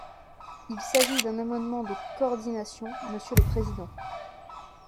Il s’agit d’un amendement de coordination, monsieur le président.